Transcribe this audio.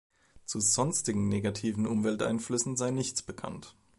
Zu sonstigen negativen Umwelteinflüssen sei nichts bekannt.